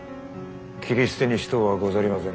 斬り捨てにしとうはござりませぬ。